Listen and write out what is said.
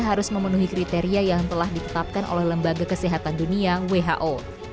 harus memenuhi kriteria yang telah ditetapkan oleh lembaga kesehatan dunia who